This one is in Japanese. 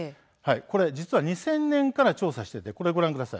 実は２０００年から調査をしています。